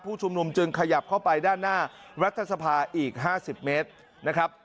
ชุมนุมจึงขยับเข้าไปด้านหน้ารัฐสภาอีก๕๐เมตรนะครับ